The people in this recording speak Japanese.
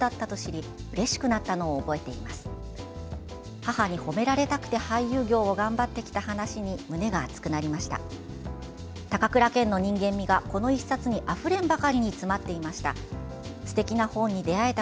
母に褒められたくて俳優業を頑張ってきた話に胸が熱くなりました。